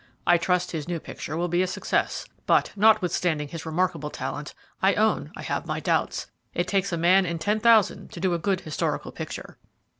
I trust his new picture will be a success; but, notwithstanding his remarkable talent, I own I have my doubts. It takes a man in ten thousand to do a good historical picture."